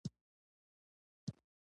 اې له خاورو جوړه، په پيسو پسې ناجوړه !